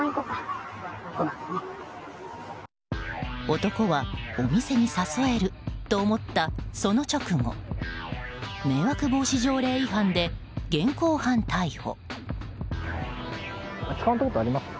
男は、お店に誘えると思ったその直後迷惑防止条例違反で現行犯逮捕。